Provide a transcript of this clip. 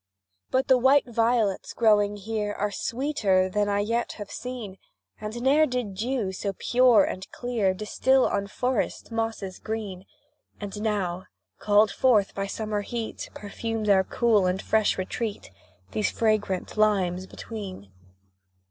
But the white violets, growing here, Are sweeter than I yet have seen, And ne'er did dew so pure and clear Distil on forest mosses green, As now, called forth by summer heat, Perfumes our cool and fresh retreat These fragrant limes between.